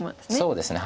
そうですね。